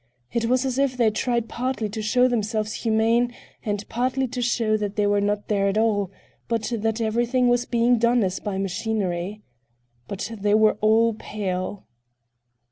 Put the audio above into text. It was as if they tried partly to show themselves humane and partly to show that they were not there at all, but that everything was being done as by machinery. But they were all pale.